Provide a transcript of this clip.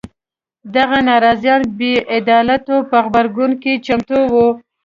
دغه ناراضیان بې عدالیتو په غبرګون کې چمتو وو.